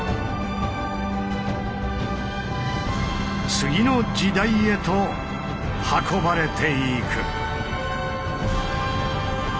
次の時代へと運ばれていく。